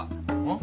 ん？